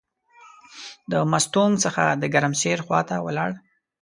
د مستونګ څخه د ګرمسیر خواته ولاړ.